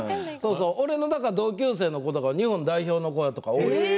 俺の同級生の子とか日本代表の子とか。